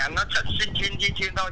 nó sẵn sinh trên chi tiên thôi